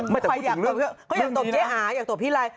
ไม่แต่พูดถึงเรื่องเค้าอยากโตบเจ๊อาอยากโตบพี่ไล่